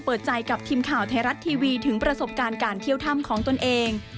เปิดใจกับทีมข่าวไทยรัฐทีวีถึงประสบการณ์การเที่ยวถ้ำของตนเอง